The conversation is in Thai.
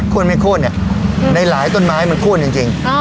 โคตรไม่โคตรเนี้ยอืมในหลายต้นไม้มันโคตรจริงจริงอ๋อ